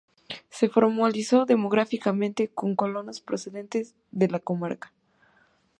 Se formalizó demográficamente con colonos procedentes de la comarca.